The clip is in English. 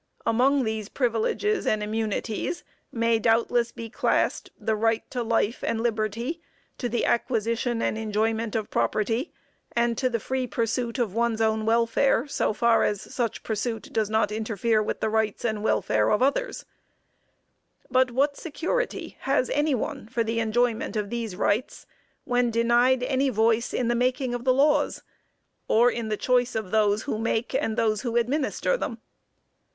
Among these privileges and immunities may doubtless be classed the right to life and liberty, to the acquisition and enjoyment of property, and to the free pursuit of one's own welfare, so far as such pursuit does not interfere with the rights and welfare of others; but what security has any one for the enjoyment of these rights when denied any voice in the making of the laws, or in the choice of those who make, and those who administer them?